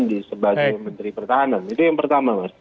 dari pertahanan itu yang pertama mas